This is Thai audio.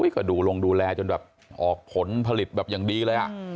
กระดูกลงดูแลจนออกผลผลิตอย่างดีเลย